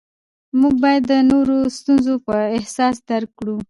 موږ باید د نورو ستونزې په احساس درک کړو